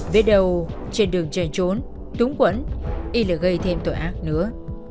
vết đầu trên đường chạy trốn túng quẩn y là gây thêm tội ác nữa